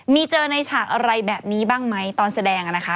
มีเจอในฉากอะไรแบบนี้บ้างไหมตอนแสดงนะคะ